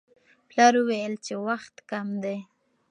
پلار وویل چې وخت کم دی.